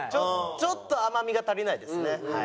ちょっと甘みが足りないですねはい。